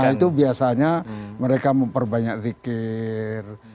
itu biasanya mereka memperbanyak zikir